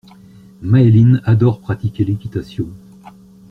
Maéline adore pratiquer l'équitation.